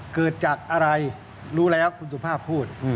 เกิดจากอะไรรู้แล้วคุณสุภาพพูด